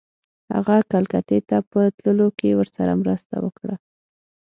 هغه کلکتې ته په تللو کې ورسره مرسته وکړه.